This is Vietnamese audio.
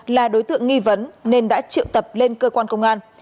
là đối tượng nghi vấn nên đã triệu tập lên cơ quan công an